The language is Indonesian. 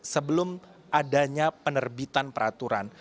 sebelum adanya penerbitan